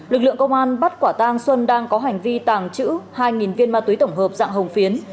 lực lượng công an bắt quả tang xuân đang có hành vi tàng trữ hai viên ma túy tổng hợp dạng hồng phiến